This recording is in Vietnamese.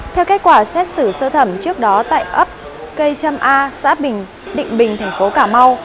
theo kết quả xét xử sơ thẩm trước đó tại ấp k một trăm linh a xã bình định bình thành phố cà mau